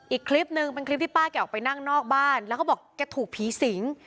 อีกคลิปนึงเป็นคลิปที่ป้าแกออกไปนั่งนอกบ้านแล้วเขาบอกแกถูกผีสิง